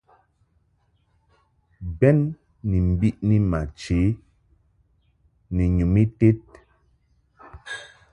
Bɛn ni mbiʼni ma chə ni nyum ited.